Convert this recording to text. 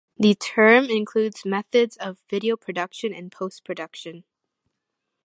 The term includes methods of video production and post-production.